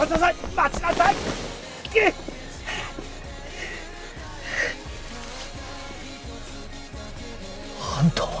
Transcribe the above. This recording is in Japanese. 待ちなさい！あんたは！